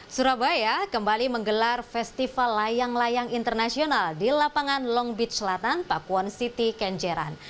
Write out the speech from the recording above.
surabaya kembali menggelar festival layang layang internasional di lapangan long beach selatan pakuwon city kenjeran